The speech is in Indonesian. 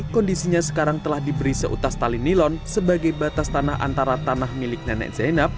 kondisinya sekarang telah diberi seutas tali nilon sebagai batas tanah antara tanah milik nenek zainab